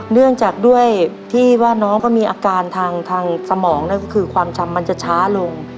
เนื่องจากด้วยที่ว่าน้องก็มีอาการทางสมองนั่นก็คือความช้ำมันจะช้าลง